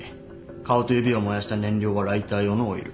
顔と指を燃やした燃料はライター用のオイル。